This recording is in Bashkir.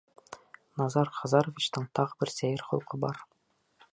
Назар Хазаровичтың тағы бер сәйер холҡо бар.